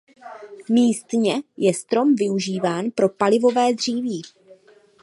Místně je strom využíván pro palivové dříví.